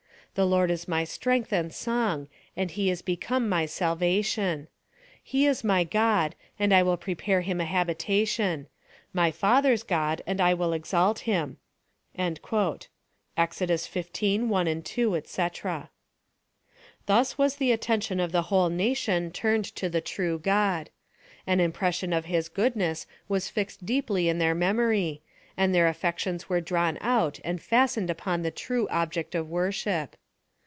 The Lord is my strength and song, and he is become my salvation. He is my God 'j PLAN OP SALVATION. 83 and I will prepare him a habitation ; my father's God, and 1 will exalt him." Ex. 15: 1, 2, &,c. Thus was the attention of the whole nation turned to the true God. An impression of his goodness was fixed deeply in their memory, and tlieir affections were drawn out and fastened upon the true object of worship.